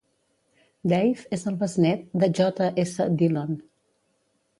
Dave és el besnet de J. S. Dillon.